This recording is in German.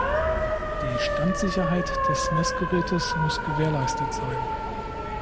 Die Standsicherheit des Messgerätes muss gewährleistet sein.